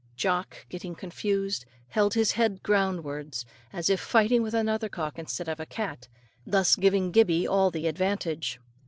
Jock, getting confused, held his head ground wards, as if fighting with another cock instead of a cat, thus giving Gibbey all the advantage.